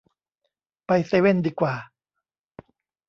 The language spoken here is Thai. ไปเซเว่นดีกว่า